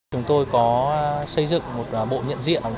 chúng tôi có xây dựng một bộ nhận diện